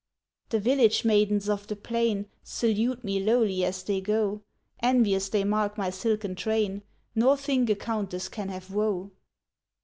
"The village maidens of the plain Salute me lowly as they go; Envious they mark my silken train, Nor think a Countess can have woe.